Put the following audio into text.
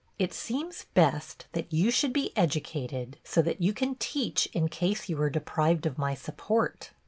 It seems best that you should be educated, so that you can teach in case you are deprived of my support."